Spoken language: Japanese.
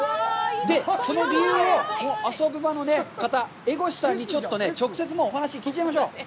その理由をＡＳＯＢＵＢＡの方、江越さんにちょっと直接もうお話を聞いちゃいましょう！